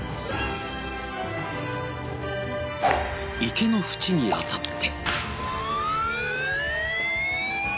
池の縁に当たって。